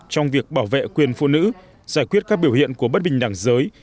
trong việc bảo vệ quyền phụ nữ giải quyết các biểu hiện của bất bình đẳng giới